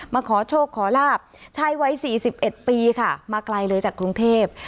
มาขอโชคขอลาบชายวัย๔๑ปีค่ะมาไกลเลยจากกรุงเทพ